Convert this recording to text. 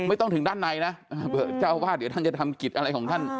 ไม่ต้องถึงด้านในนะเจ้าวาดเดี๋ยวท่านจะทำกิจอะไรของท่าน